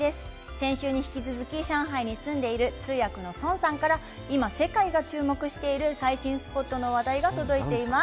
先週に引き続き、上海に住んでいる通訳の孫さんから、今、世界が注目している最新スポットの話題が届いています。